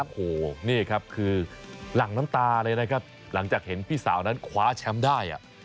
โอ้โหนี่ครับคือหลั่งน้ำตาเลยนะครับหลังจากเห็นพี่สาวนั้นคว้าแชมป์ได้